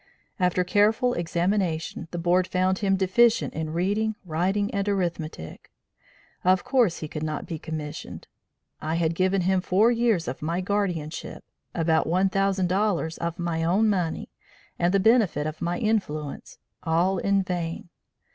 After careful examination, the board found him deficient in reading, writing and arithmetic. Of course he could not be commissioned. I had given him four years of my guardianship, about $1,000 of my own money, and the benefit of my influence, all in vain.